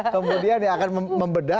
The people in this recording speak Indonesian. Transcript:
kemudian akan membedah